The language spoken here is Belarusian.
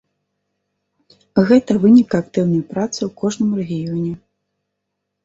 Гэта вынік актыўнай працы ў кожным рэгіёне.